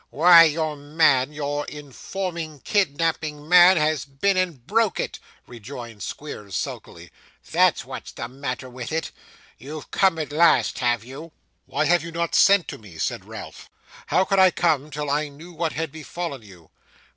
'Why, your man, your informing kidnapping man, has been and broke it,' rejoined Squeers sulkily; 'that's what's the matter with it. You've come at last, have you?' 'Why have you not sent to me?' said Ralph. 'How could I come till I knew what had befallen you?